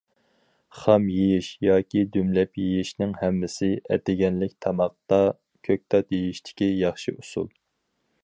خام يېيىش ياكى دۈملەش يېيىشنىڭ ھەممىسى ئەتىگەنلىك تاماقتا كۆكتات يېيىشتىكى ياخشى ئۇسۇل.